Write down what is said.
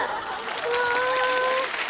うわ！